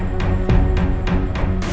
bukan gantiin aku jadi suami